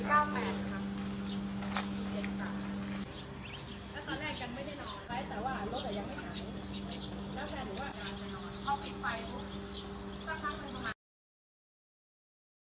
อันนี้มันกล้องไหม